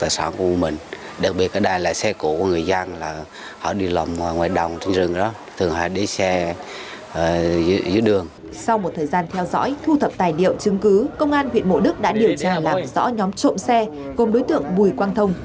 sau một thời gian theo dõi thu thập tài liệu chứng cứ công an huyện mộ đức đã điều tra làm rõ nhóm trộm xe gồm đối tượng bùi quang thông